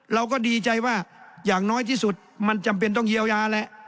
เราก็ดีใจว่าอย่างน้อยที่สุดมันจำเป็นต้องเยียวยาแหละ